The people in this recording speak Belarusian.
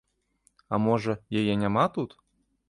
А можа, яе няма тут?